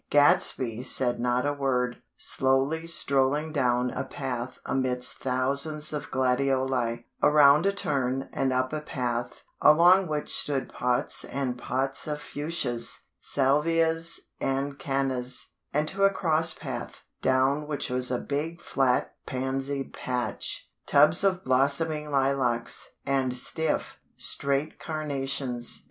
Gadsby said not a word; slowly strolling down a path amidst thousands of gladioli; around a turn, and up a path, along which stood pots and pots of fuchsias, salvias and cannas; and to a cross path, down which was a big flat pansy patch, tubs of blossoming lilacs, and stiff, straight carnations.